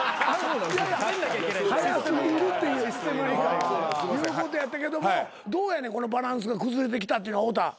いうことやったけどもどうやねんこのバランスが崩れてきたっていうのは太田。